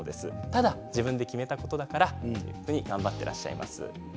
ただ自分で決めたことだからと頑張っていらっしゃいます。